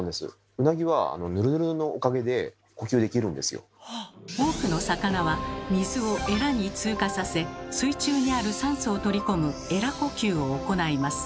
ウナギは多くの魚は水をエラに通過させ水中にある酸素を取り込む「エラ呼吸」を行います。